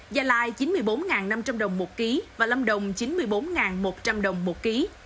gia lai chín mươi bốn năm trăm linh đồng một ký và lâm đồng chín mươi bốn một trăm linh đồng một ký